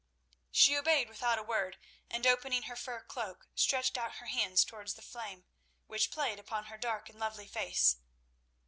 She obeyed without a word, and opening her fur cloak, stretched out her hands towards the flame, which played upon her dark and lovely face.